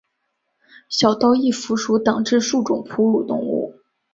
小兜翼蝠属等之数种哺乳动物。